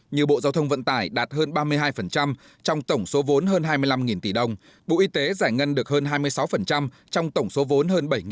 như bộ giao thông vận tải đạt hơn ba mươi hai trong tổng số vốn hơn hai mươi năm tỷ đồng bộ y tế giải ngân được hơn hai mươi sáu trong tổng số vốn hơn bảy tỷ đồng